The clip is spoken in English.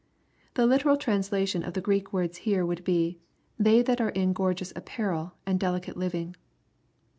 l The literal translation of the Greek words here would be, " They that are iq gorgeous apparel, and delicate living."